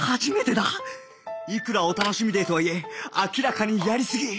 いくらお楽しみデーとはいえ明らかにやりすぎ